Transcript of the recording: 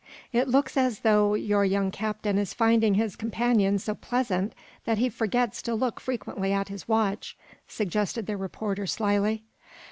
'" "It looks as though your young captain is finding his companion so pleasant that he forgets to look frequently at his watch," suggested the reporter, slyly.